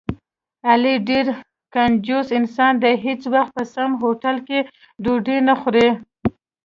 علي ډېر کنجوس انسان دی، هېڅ وخت په سم هوټل کې ډوډۍ نه خوري.